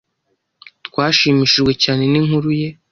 Twashimishijwe cyane ninkuru ye.